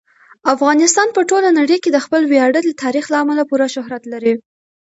افغانستان په ټوله نړۍ کې د خپل ویاړلي تاریخ له امله پوره شهرت لري.